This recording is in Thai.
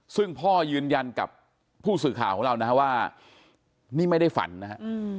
ซึ่งพ่อยืนยันกับผู้สื่อข่าวของเรานะฮะว่านี่ไม่ได้ฝันนะฮะ